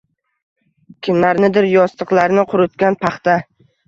Kimlarnidir yostiqlarini quritgan paxta.